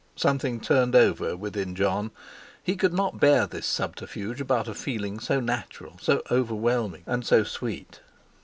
Something turned over within Jon; he could not bear this subterfuge about a feeling so natural, so overwhelming, and so sweet.